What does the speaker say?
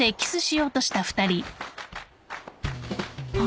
あ。